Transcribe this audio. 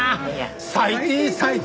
最低最低。